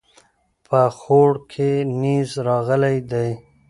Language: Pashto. په خوړ کې نيز راغلی دی